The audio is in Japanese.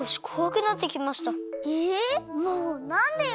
もうなんでよ！